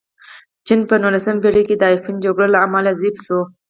چین په نولسمه پېړۍ کې د افیون جګړو له امله ضعیف شو.